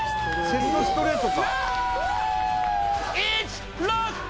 ３セットストレート